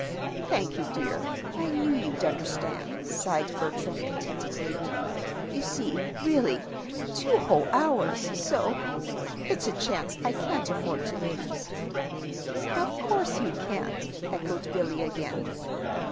"Thank you, dear. I knew you'd understand," sighed Bertram, contentedly. "You see, really, two whole hours, so it's a chance I can't afford to lose." "Of course you can't," echoed Billy, again.